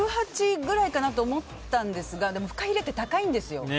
６８００くらいかなと思ったんですがでもフカヒレって高いんですよ。